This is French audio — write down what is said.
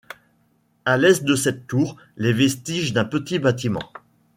À l'est de cette tour, les vestiges d'un petit bâtiment.